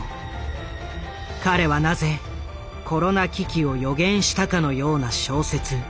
彼はなぜコロナ危機を予言したかのような小説